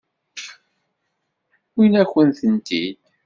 Wwin-akent-tent-id.